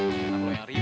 ntar lo yang ribet